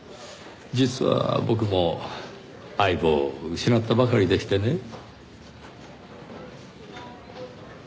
実は僕も相棒を失ったばかりでしてね。